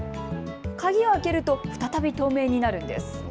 鍵を開けると再び透明になるんです。